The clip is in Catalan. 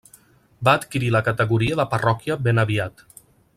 Va adquirir la categoria de parròquia ben aviat.